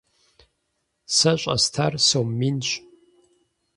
Сэ щӀэстар сом минщ.